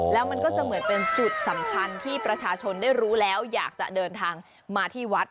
แล้วมันก็จะเหมือนเป็นจุดสำคัญที่ประชาชนได้รู้แล้วอยากจะเดินทางมาที่วัด